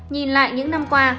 nhìn lại những năm qua